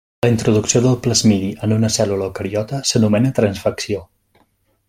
La introducció del plasmidi en una cèl·lula eucariota s'anomena transfecció.